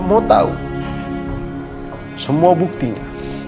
tolong cek cctv ya